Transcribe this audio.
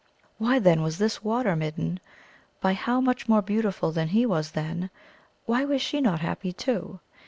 Why, then, was this Water midden by how much more beautiful than he was then! why was she not happy, too?